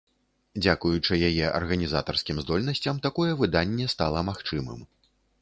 Дзякуючы яе арганізатарскім здольнасцям такое выданне стала магчымым.